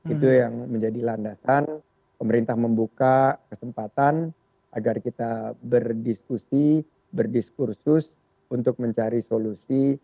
itu yang menjadi landasan pemerintah membuka kesempatan agar kita berdiskusi berdiskursus untuk mencari solusi